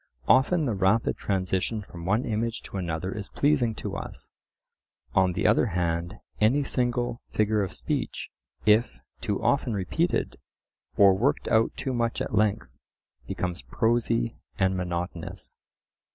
Often the rapid transition from one image to another is pleasing to us: on the other hand, any single figure of speech if too often repeated, or worked out too much at length, becomes prosy and monotonous.